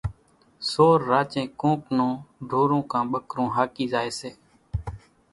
سور راچين ڪونڪ نون ڍورون ڪان ٻڪرون هاڪِي زائيَ سي۔